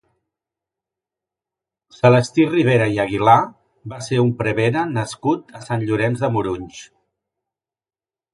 Celestí Ribera i Aguilar va ser un prevere nascut a Sant Llorenç de Morunys.